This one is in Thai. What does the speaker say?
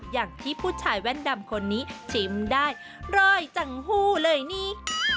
อย่างที่ผู้ชายแว่นดำคนนี้ชิมได้รอยจังหู้เลยนี่